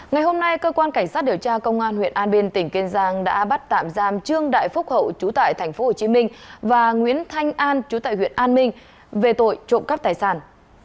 ngày hôm nay cơ quan cảnh sát điều tra công an huyện an biên tỉnh kiên giang đã bắt tạm giam trương đại phúc hậu chú tại tp hcm và nguyễn thanh an chú tại huyện an minh về tội trộm cắp tài sản